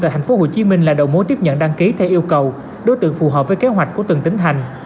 tại tp hcm là đầu mối tiếp nhận đăng ký theo yêu cầu đối tượng phù hợp với kế hoạch của từng tỉnh thành